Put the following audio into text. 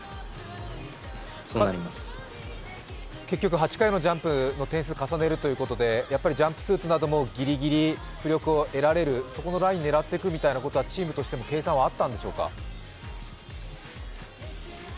結局、８回のジャンプの点数を重ねるということでジャンプスーツなどもぎりぎり浮力を得られるそこのラインを狙っていくみたいなことは、チームとしても計算はあったんでしょうか？